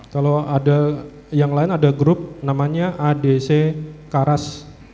kalau ada yang lain ada grup namanya adc karas